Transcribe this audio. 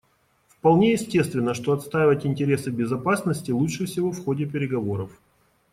Вполне естественно, что отстаивать интересы безопасности лучше всего в ходе переговоров.